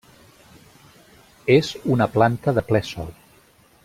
És una planta de ple sol.